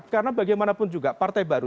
karena bagaimanapun juga partai baru